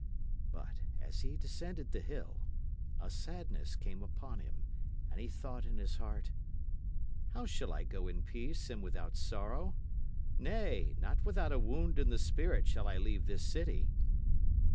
But as he descended the hill, a sadness came upon him, and he thought in his heart: How shall I go in peace and without sorrow? Nay, not without a wound in the spirit shall I leave this city.